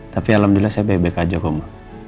tapi alhamdulillah saya baik baik aja kamu